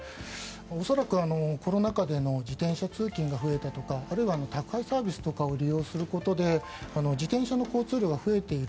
恐らくコロナ禍での自転車通勤が増えたとかあるいは宅配サービスとかを利用することで自転車の交通量が増えている。